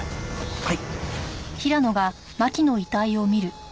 はい。